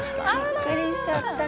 びっくりしちゃったかな。